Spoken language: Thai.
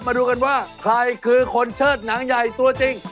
มาดูกันว่าใครคือคนเชิดหนังใหญ่ตัวจริง